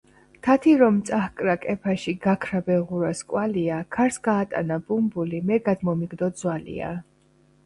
თათი რომ წაჰკრა კეფაში, გაქრა ბეღურას კვალია, ქარს გაატანა ბუმბული, მე გადმომიგდო ძვალია.